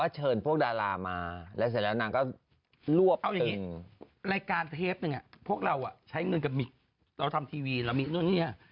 ฉันได้ยินทั้งนั้นน่ะที่พวกเธอทำอะไรกันเนี่ย